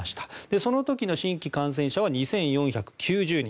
その時の新規感染者は２４９０人。